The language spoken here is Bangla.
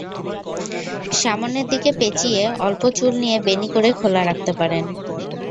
সামনের দিকে পেঁচিয়ে অল্প চুল নিয়ে বেণি করে খোলা রাখতে পারেন।